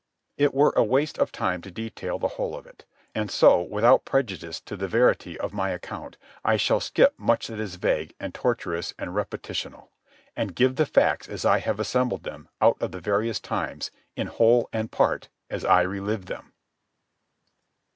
It were a waste of time to detail the whole of it; and so, without prejudice to the verity of my account, I shall skip much that is vague and tortuous and repetitional, and give the facts as I have assembled them out of the various times, in whole and part, as I relived them.